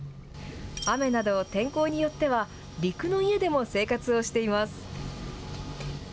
雨など、天候によっては陸の家でも生活をしています。